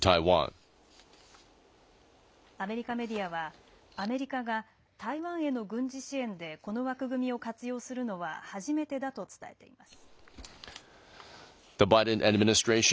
アメリカメディアはアメリカが台湾への軍事支援でこの枠組みを活用するのは初めてだと伝えています。